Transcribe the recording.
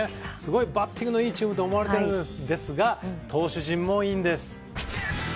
バッティングのいいチームと思われてるんですが投手陣もいいんです。